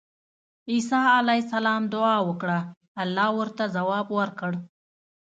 عيسی عليه السلام دعاء وکړه، الله ورته ځواب ورکړ